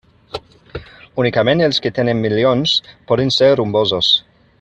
Únicament els que tenen milions poden ser rumbosos.